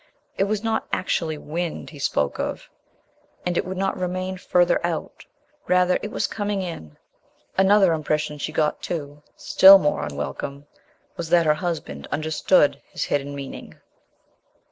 It was not actually "wind" he spoke of, and it would not remain "further out"...rather, it was coming in. Another impression she got too still more unwelcome was that her husband understood his hidden meaning.